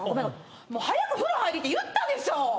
もう早く風呂入りって言ったでしょ！